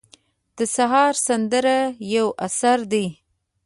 د سهار سندرې یو اثر دی.